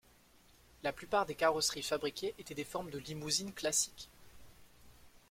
La plupart des carrosseries fabriquées étaient des formes de limousines classiques.